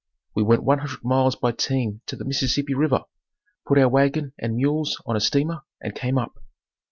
We went one hundred miles by team to the Mississippi river, put our wagon and mules on a steamer, and came up.